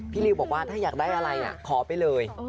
ริวบอกว่าถ้าอยากได้อะไรขอไปเลย